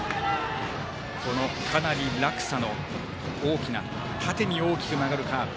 かなり落差の大きな縦の大きく曲がるカーブ。